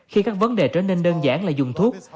khi các vấn đề trở nên đơn giản là dùng thuốc